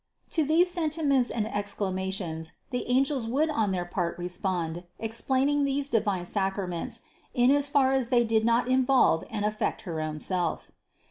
To these sentiments and exclamations the angels would on their part respond, explaining these divine sacraments, in as far as they did not involve and affect her own Self.